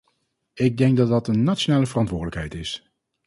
Ik denk dat dat een nationale verantwoordelijkheid is.